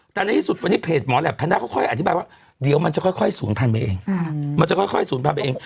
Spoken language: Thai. แต่ในที่สุดวันนี้เพจหมอแหลมดาเขาค่อยอธิบายว่าเดี๋ยวมันจะค่อยสูงพันธุ์ไปเอง